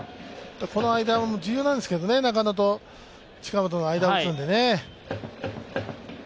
この間も重要なんですけどね、中野の近本の間を打つのでね。